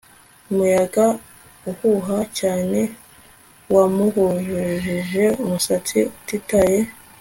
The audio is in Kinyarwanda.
Umuyaga uhuha cyane wamuhujije umusatsi utitaye